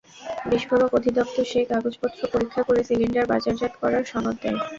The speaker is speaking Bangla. বিস্ফোরক অধিদপ্তর সেই কাগজপত্র পরীক্ষা করে সিলিন্ডার বাজারজাত করার সনদ দেয়।